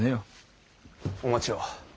お待ちを。